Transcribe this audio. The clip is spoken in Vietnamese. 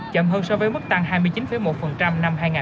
chậm hơn so với mức tăng hai mươi chín một năm hai nghìn một mươi hai